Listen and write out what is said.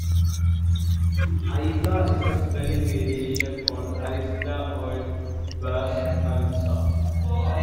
Aiza is a spelling variation on Arista, or in Basque, Aritza.